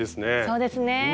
そうですね。